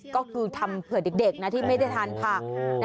ก็คือทำเผื่อเด็กนะที่ไม่ได้ทานผัก